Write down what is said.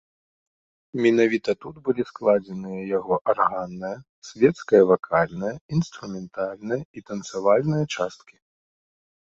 Менавіта тут былі складзеныя яго арганная, свецкая-вакальная, інструментальная і танцавальная часткі.